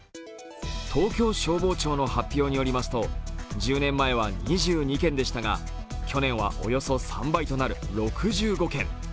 東京消防庁の発表によりますと１０年前は２２件でしたが去年はおよそ３倍となる６５件。